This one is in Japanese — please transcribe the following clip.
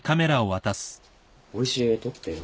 おいしい絵撮ってよ。